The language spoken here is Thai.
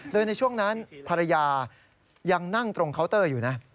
โดยในช่วงนั้นภรรยายังนั่งตรงเคาน์เตอร์อยู่นะ